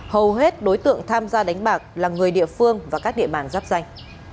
hầu hết đối tượng tham gia đánh bạc là người địa phương và các địa bàn giáp danh